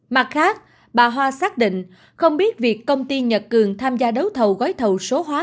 mặt khác bà hoa xác định không biết việc công ty nhật cường tham gia đấu thầu gói thầu số hóa